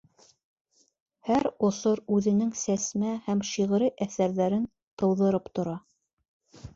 Һәр осор үҙенең сәсмә һәм шиғри әҫәрҙәрен тыуҙырып тора.